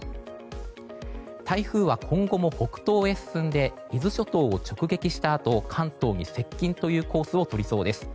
台風はこのあとも北東へ進んで伊豆諸島を直撃したあと関東に接近というコースを取りそうです。